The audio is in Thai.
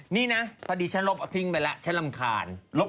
นี่นะพอดีฉันลบเอาทิ้งไปแล้วฉันรำคาญ